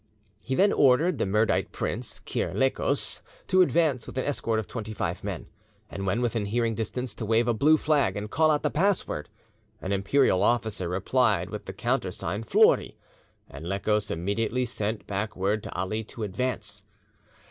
He then ordered the Mirdite prince, Kyr Lekos, to advance with an escort of twenty five men, and when within hearing distance to wave a blue flag and call out the password. An Imperial officer replied with the countersign "flouri," and Lekos immediately sent back word to Ali to advance.